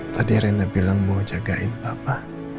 tadi rena bilang mau jagain papa